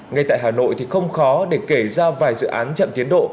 ngay tại hà nội thì không khó để kể ra vài dự án chậm tiến độ